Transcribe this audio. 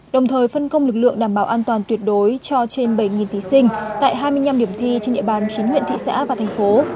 đồng thời phân công lực lượng đảm bảo an toàn tuyệt đối cho trên bảy thí sinh tại hai mươi năm điểm thi trên địa bàn chín huyện thị xã và thành phố